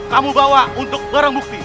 kamu bawa untuk barang bukti